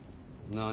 何？